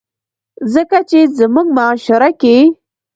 ځکه چې زمونږ معاشره کښې